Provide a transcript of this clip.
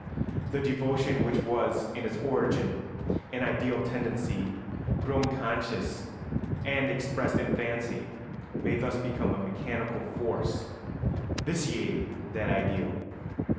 The devotion which was, in its origin, an ideal tendency grown conscious and expressed in fancy may thus become a mechanical force vitiating that ideal.